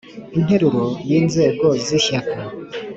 Interuro ya inzego z ishyaka